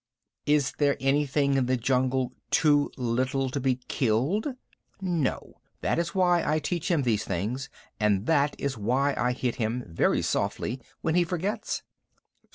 "Is there anything in the jungle too little to be killed? No. That is why I teach him these things, and that is why I hit him, very softly, when he forgets."